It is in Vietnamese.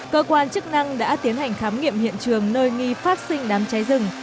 cơ quan chức năng đã tiến hành khám nghiệm hiện trường nơi nghi phát sinh đám cháy rừng